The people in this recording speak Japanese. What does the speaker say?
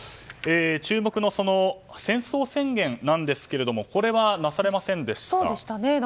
注目の戦争宣言なんですけれどもこれはなされませんでした。